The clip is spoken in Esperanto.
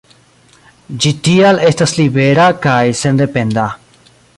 Ĝi tial estas libera kaj sendependa.